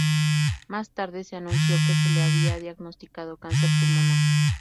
Más tarde se anunció que se le había diagnosticado cáncer pulmonar.